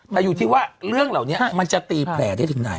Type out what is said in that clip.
แต่อยู่ที่ว่าเรื่องเหล่านี้มันจะตีแผลได้ถึงไหน